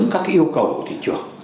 và các cái yêu cầu của thị trường